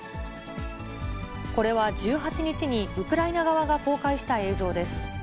これは１８日に、ウクライナ側が公開した映像です。